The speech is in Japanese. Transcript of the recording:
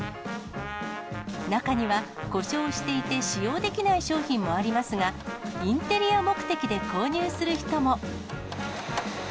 中には、故障していて使用できない商品もありますが、インテリア目的で購入する人も。